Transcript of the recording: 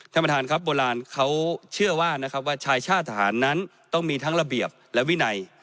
ท่านประธานโบราณเขาเชื่อว่าชายชาติสถานนั้นต้องมีทั้งระเบียบและวินัย